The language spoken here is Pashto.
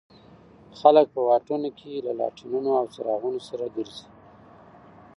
خلک په واټونو کې له لاټېنونو او څراغونو سره ګرځي.